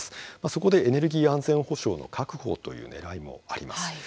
そこでエネルギー安全保障の確保というねらいもあります。